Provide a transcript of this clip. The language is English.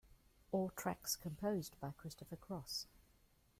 All tracks composed by Christopher Cross.